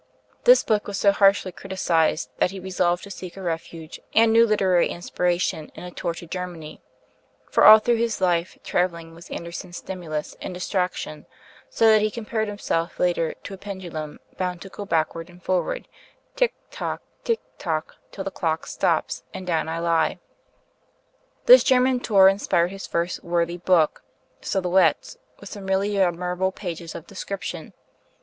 This book was so harshly criticized that he resolved to seek a refuge and new literary inspiration in a tour to Germany; for all through his life, traveling was Andersen's stimulus and distraction, so that he compares himself, later, to a pendulum "bound to go backward and forward, tic, toc, tic, toc, till the clock stops, and down I lie." [Illustration: HANS CHR. ANDERSEN.] This German tour inspired his first worthy book, 'Silhouettes,' with some really admirable pages of description.